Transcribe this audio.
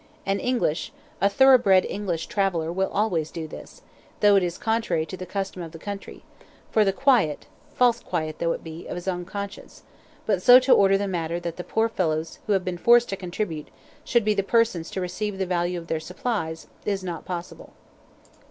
An English, a thoroughbred English, traveller will always do this (though it is contrary to the custom of the country) for the quiet (false quiet though it be) of his own conscience, but so to order the matter that the poor fellows who have been forced to contribute should be the persons to receive the value of their supplies, is not possible.